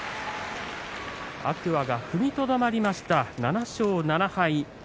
天空海、踏みとどまりました７勝７敗です。